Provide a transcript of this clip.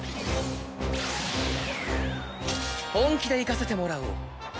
本気でいかせてもらおう！